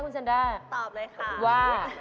๓ค่า